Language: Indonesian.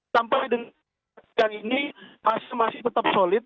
sampai dengan ini hasil masih tetap solid